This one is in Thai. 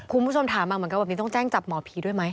คุณผู้ชมถามมาเหมือนกันแบบนี้ต้องแจ้งจับหมอผีด้วยไหม